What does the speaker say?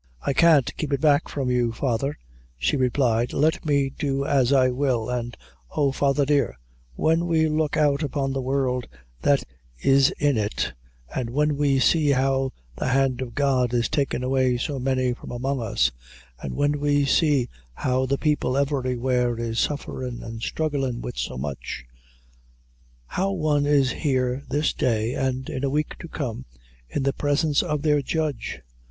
"I can't keep it back from you, father," she replied, "let me do as I will an' oh, father dear, when we look out upon the world that is in it, an' when we see how the hand o' God is takin' away so many from among us, and when we see how the people everywhere is sufferin' and strugglin' wid so much how one is here this day, and in a week to come in the presence of their Judge!